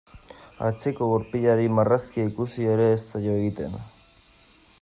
Atzeko gurpilari marrazkia ikusi ere ez zaio egiten.